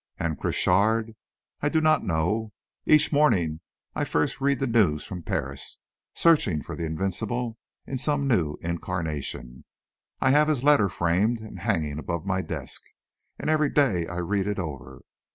And Crochard? I do not know. Each morning, I read first the news from Paris, searching for L'Invincible in some new incarnation. I have his letter framed and hanging above my desk, and every day I read it over.